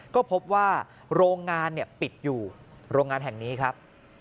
ก็พบว่าโรงงานปิดอยู่โรงงานแห่งนี้ครับ